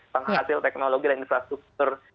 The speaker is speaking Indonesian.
penghasil teknologi dan infrastruktur